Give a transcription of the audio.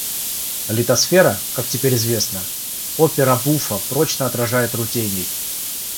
Литосфера, как теперь известно, опера-буффа прочно отражает рутений.